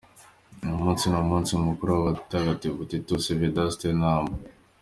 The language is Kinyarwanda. Uyu munsi ni umunsi mukuru w’abatagatifu Titus, Vedaste, na Amand.